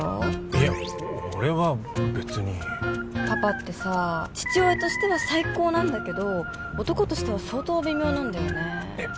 いや俺は別にパパってさ父親としては最高なんだけど男としては相当微妙なんだよねえっ！